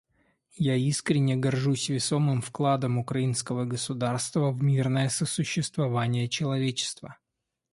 Я искренне горжусь весомым вкладом украинского государства в мирное сосуществование человечества.